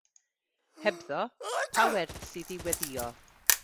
Hebddo, pa werth sydd i weddïo?